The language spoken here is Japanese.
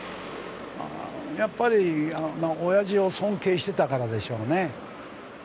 やっぱり親父を尊敬してたからでしょうね。